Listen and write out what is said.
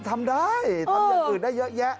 ทำอย่างอื่นได้เยอะแยะ